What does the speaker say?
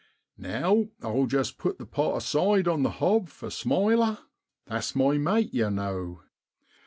Now I'll just put the pot aside on the hob for ' Smiler,' that's my mate, yow know.